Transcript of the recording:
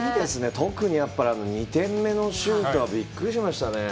特に２点目のシュートはびっくりしましたね。